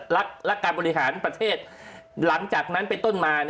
และการบริหารประเทศหลังจากนั้นไปต้นมา